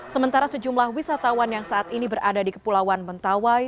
sementara sejumlah wisatawan yang saat ini berada di kepulauan mentawai